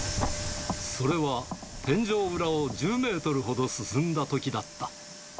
それは天井裏を１０メートルほど進んだときだった。